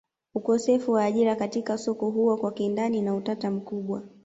Ukosefu wa ajira katika soko huwa kwa kindani na utata mkubwa